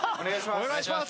・お願いします